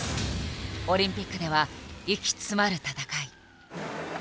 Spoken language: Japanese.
オリンピックでは息詰まる戦い。